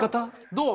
どう？